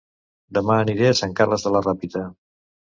Dema aniré a Sant Carles de la Ràpita